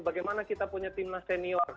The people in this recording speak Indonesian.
bagaimana kita punya timnas senior